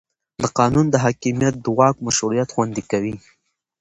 د قانون حاکمیت د واک مشروعیت خوندي کوي